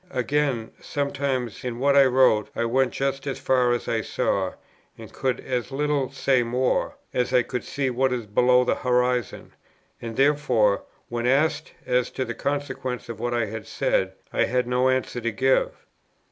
Again, sometimes in what I wrote I went just as far as I saw, and could as little say more, as I could see what is below the horizon; and therefore, when asked as to the consequences of what I had said, I had no answer to give.